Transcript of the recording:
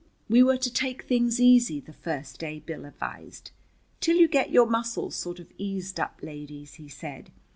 We were to take things easy the first day, Bill advised. "Till you get your muscles sort of eased up, ladies," he said.